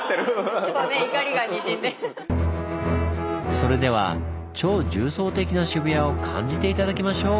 それでは超重層的な渋谷を感じて頂きましょう！